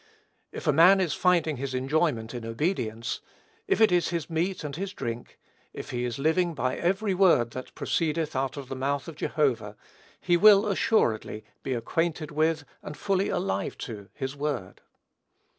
If a man is finding his enjoyment in obedience, if it is his meat and his drink, if he is living by every word that proceedeth out of the mouth of Jehovah, he will, assuredly, be acquainted with, and fully alive to, his word.